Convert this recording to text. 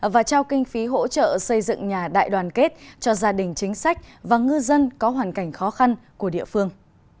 và trao kinh phí hỗ trợ xây dựng nhà đại đoàn kết cho gia đình chính sách và ngư dân có hoàn cảnh khó khăn của địa phương